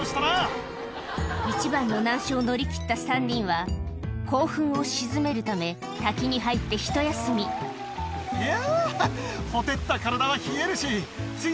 一番の難所を乗り切った３人は興奮を静めるため滝に入ってひと休みいや。